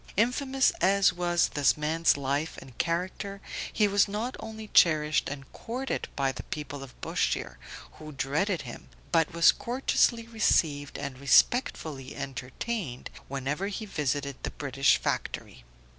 Infamous as was this man's life and character, he was not only cherished and courted by the people of Bushire, who dreaded him, but was courteously received and respectfully entertained whenever he visited the British Factory.